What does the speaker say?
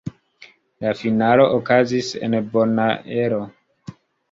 La finalo okazis en Bonaero.